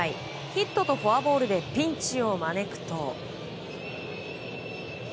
ヒットとフォアボールでピンチを招くと。